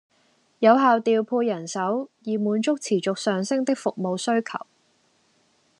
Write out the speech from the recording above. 有效調配人手，以滿足持續上升的服務需求